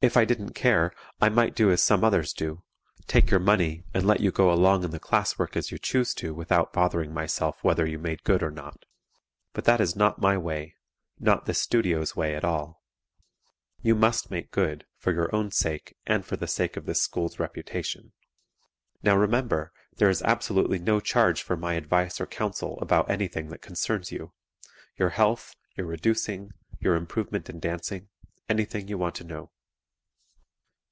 If I didn't care I might do as some others do take your money and let you go along in the class work as you choose to without bothering myself whether you made good or not. But that is not my way not this studio's way at all. You must make good, for your own sake and for the sake of this school's reputation. Now remember, there is absolutely no charge for my advice or counsel about anything that concerns you your health, your reducing, your improvement in dancing anything you want to know.